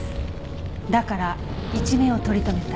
だから一命を取り留めた。